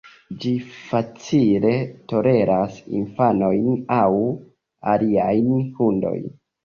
Ĝi facile toleras infanojn aŭ aliajn hundojn.